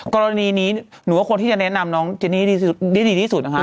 กรณีนี้หนูว่าควรจะแนะนำน้องเจนิ่นนี่ดีที่สุด